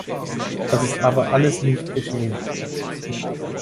Das ist aber alles nicht geschehen.